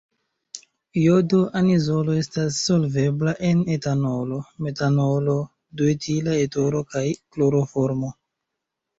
Jodo-anizolo estas solvebla en etanolo, metanolo, duetila etero kaj kloroformo.